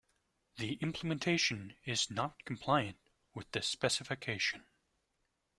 The implementation is not compliant with the specification.